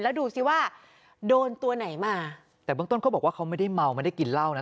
แล้วดูสิว่าโดนตัวไหนมาแต่เบื้องต้นเขาบอกว่าเขาไม่ได้เมาไม่ได้กินเหล้านะ